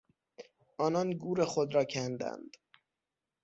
آنان گور خود را کندند.